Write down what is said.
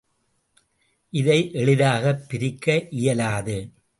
இதை எளிதாகப் பிரிக்க இயலாது.